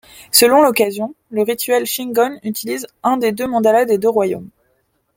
Selon l'occasion, le rituel Shingon utilise un des deux mandala des deux royaumes.